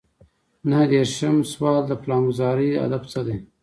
نهه دېرشم سوال د پلانګذارۍ هدف څه دی.